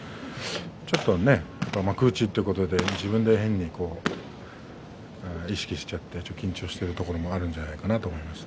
ちょっと幕内ということで自分が変に意識して緊張しているところもあるんじゃないかと思います。